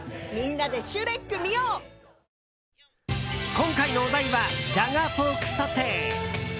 今回のお題はジャガポークソテー。